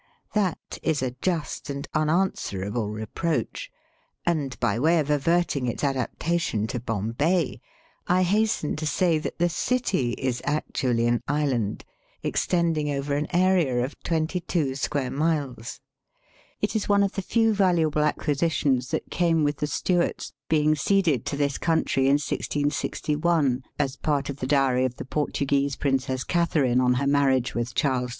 That is a just and unanswerable reproach, and, by way of averting its adaptation to Bombay, I hasten to say that the city is actually an island, extending over an area of twenty two square miles. It is one of the few valuable acquisitions that came with the Stuarts, being ceded to this country in 1661 as part of the dowry of the Portuguese princess Catharine on her marriage with Charles II.